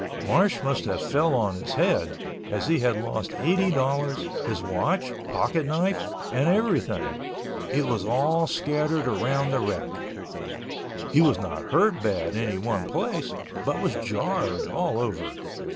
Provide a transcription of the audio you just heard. Marsh must have fell on his head, as he had lost $80.00, his watch, pocket knife, and everything—it was all scattered around the wreck. He was not hurt bad any one place, but was jarred all over.